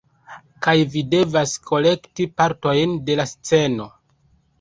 kaj vi devas kolekti partojn de la sceno